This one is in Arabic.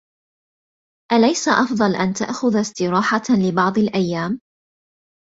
أليس أفضل أن تأخذ استراحة لبعض الأيام؟